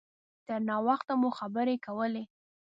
تر ناوخته مو خبرې کولې.